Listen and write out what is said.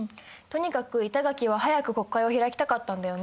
とにかく板垣は早く国会を開きたかったんだよね。